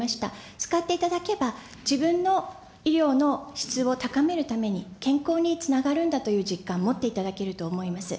使っていただければ、自分の医療の質を高めるために健康につながるんだという実感、持っていただけると思います。